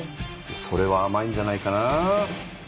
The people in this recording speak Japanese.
それはあまいんじゃないかな？